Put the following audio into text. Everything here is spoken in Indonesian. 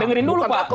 dengerin dulu pak